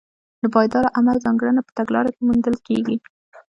د پایداره عمل ځانګړنه په تګلاره کې موندل کېږي.